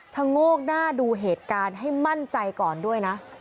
โงกหน้าดูเหตุการณ์ให้มั่นใจก่อนด้วยนะ